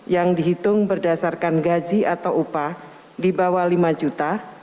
yang dihitung berdasarkan gaji atau upah di bawah lima juta